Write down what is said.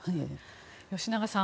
吉永さん